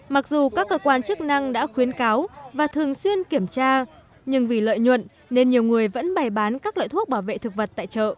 mặc dù các cơ quan chức năng đã có thể bán thuốc bảo vệ thực vật nhưng không có thể bán thuốc bảo vệ thực vật